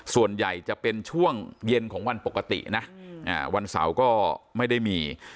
ส่วนใหญ่จะเป็นช่วงเย็นของวันปกตินะวันเสาร์ก็ไม่ได้มี